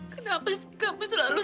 larry kenapa sih kamu selalu